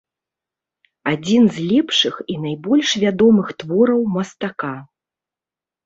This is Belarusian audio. Адзін з лепшых і найбольш вядомых твораў мастака.